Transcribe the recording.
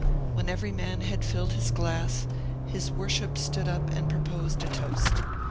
When every man had filled his glass, his Worship stood up and proposed a toast.